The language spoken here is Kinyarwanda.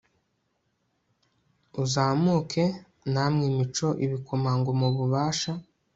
Uzamuke Namwe Imico Ibikomangoma Ububasha